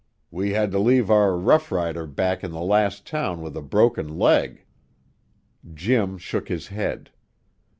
We had to leave our rough rider back in the last town with a broken leg." Jim shook his head.